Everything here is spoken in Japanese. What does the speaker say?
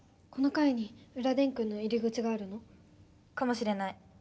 このかいに裏電空の入り口があるの？かもしれない。